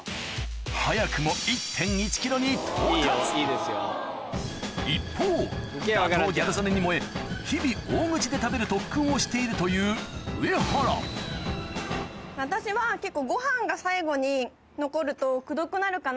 早くもに到達一方打倒ギャル曽根に燃え日々大口で食べる特訓をしているという私は結構。